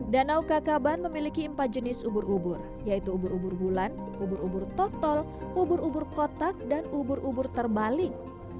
danau kakaban memiliki empat jenis ubur ubur yaitu ubur ubur bulan ubur ubur totol ubur ubur kotak dan ubur ubur terbalik